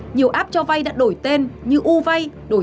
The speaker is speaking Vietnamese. nhiều app cho vay đã đổi tên như uvay